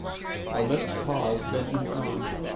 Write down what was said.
The lips paused, then went on.